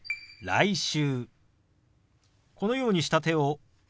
「来週」。